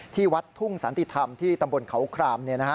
ที่วัดทุ่งสันติธรรมที่ตำบลเขาคราม